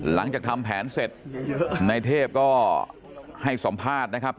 หลังจากทำแผนเสร็จในเทพก็ให้สัมภาษณ์นะครับ